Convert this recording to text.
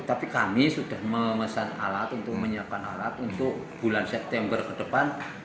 tapi kami sudah memesan alat untuk menyiapkan alat untuk bulan september ke depan